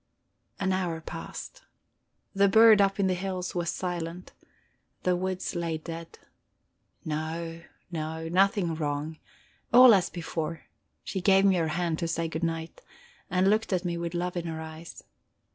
An hour passed. The bird up in the hills was silent, the woods lay dead. No, no, nothing wrong; all as before; she gave me her hand to say good night, and looked at me with love in her eyes.